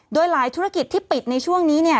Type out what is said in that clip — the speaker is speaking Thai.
โดยหลายธุรกิจที่ปิดในช่วงนี้